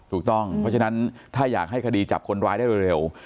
ถูกต้องเพราะฉะนั้นถ้าอยากให้คดีจับคนร้ายได้เร็ว